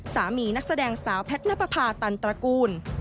สามีนักแสดงสาวแพทนัพพาตันตระกูล